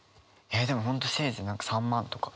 えっでも本当せいぜい３万とか。